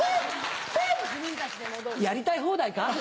やりたい放題か？